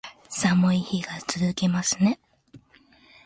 寒い日が続きますね